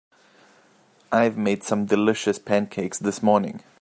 I've made some delicious pancakes this morning.